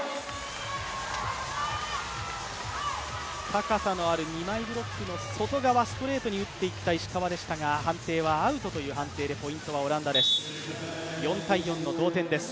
高さのある二枚ブロックの外側、ストレートに打っていった、石川でしたが、判定はアウトという判定でポイントはオランダです。